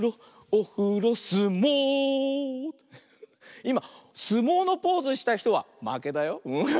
いますもうのポーズしたひとはまけだよ。